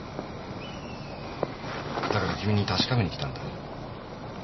だから君に確かめにきたんだ。